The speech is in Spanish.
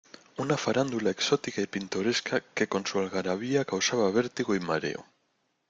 una farándula exótica y pintoresca que con su algarabía causaba vértigo y mareo.